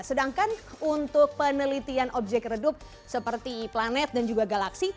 sedangkan untuk penelitian objek redup seperti planet dan juga galaksi